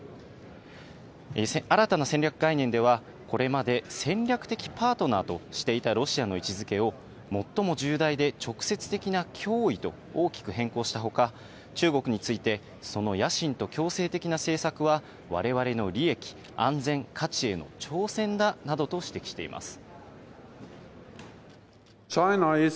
新たな戦略概念では、これまで戦略的パートナーとしていたロシアの位置づけを、最も重大で直接的な脅威と大きく変更したほか、中国について、その野心と強制的な政策は、われわれの利益、安全、価値への挑戦だなどと指摘しています。